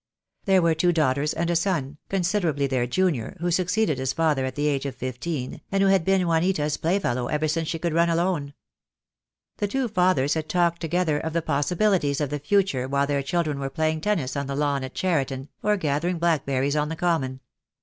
There were two daughters and a son, considerably their junior, who succeeded his father at the age of fifteen, and who had been Juanita's playfellow ever since she could run alone. The two fathers had talked together of the possibilities of the future while their children were playing tennis on the lawn at Cheriton, or gathering blackberries on the common.